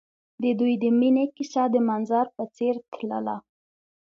د دوی د مینې کیسه د منظر په څېر تلله.